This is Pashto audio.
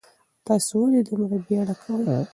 تاسو ولې دومره بیړه کوئ؟